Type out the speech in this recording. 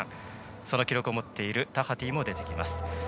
その記録を持っているタハティも出てきます。